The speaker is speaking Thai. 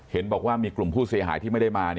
เห็นบอกว่ามีกลุ่มผู้เสียหายที่ไม่ได้มา